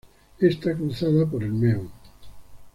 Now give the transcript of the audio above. Está cruzada por el Meu.